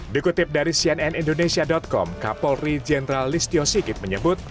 dikutip dari cnn indonesia com kapolri jenderal listio sigit menyebut